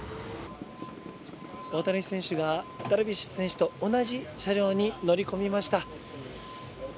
大谷選手がダルビッシュ選手と同じ車両に乗り込みました。